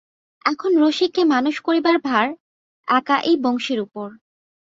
এখন রসিককে মানুষ করিবার ভার একা এই বংশীর উপর।